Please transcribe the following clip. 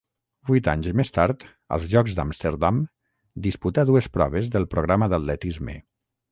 Vuit anys més tard, als Jocs d'Amsterdam, disputà dues proves del programa d'atletisme.